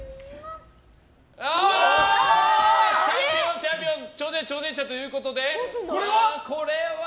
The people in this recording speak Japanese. チャンピオン、チャンピオン挑戦者、挑戦者ということでこれは。